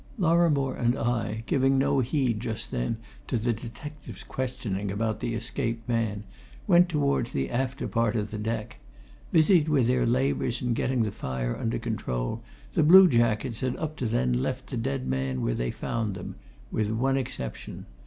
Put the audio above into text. Lorrimore and I, giving no heed just then to the detective's questioning about the escaped man, went towards the after part of the deck. Busied with their labours in getting the fire under control, the blue jackets had up to then left the dead men where they found them with one exception.